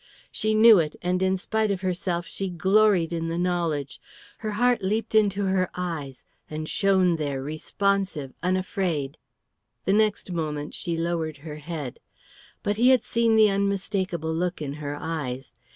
She knew it, and in spite of herself she gloried in the knowledge. Her heart leaped into her eyes and shone there responsive, unafraid. The next moment she lowered her head. But he had seen the unmistakable look in her eyes.